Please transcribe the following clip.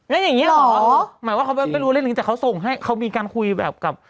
นั่นอย่างงี้หรอหมายว่าเขาไม่รู้อะไรหรือแต่เขาส่งให้เขามีการคุยแบบกับ